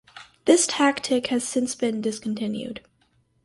This tactic has since been discontinued.